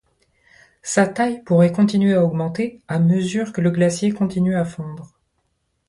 Sa taille pourrait continuer à augmenter à mesure que le glacier continue à fondre.